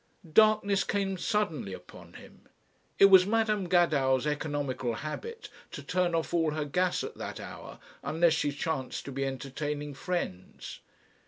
Darkness came suddenly upon him. It was Madam Gadow's economical habit to turn off all her gas at that hour unless she chanced to be entertaining friends.